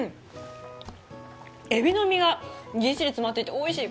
えびの身がぎっしり詰まっていておいしい。